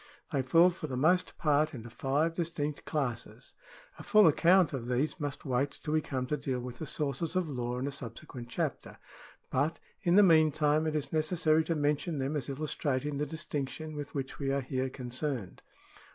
They fall for the most part into five distinct classes. A full account of these must wait until we come to deal with the sources of law in a subsequent chapter, but in the mean time it is necessary to mention them as illustrating the distinction with which we are here concerned.